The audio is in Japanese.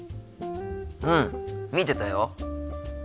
うん見てたよ。